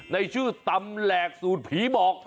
ในชื่อตำแหลกสูตรผีบอก